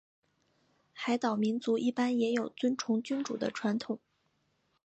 海岛民族一般也有尊崇君主的传统。